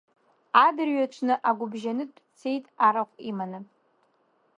Адырҩаҽны агәыбжьанытә дцеит арахә иманы.